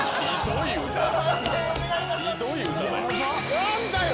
何だよ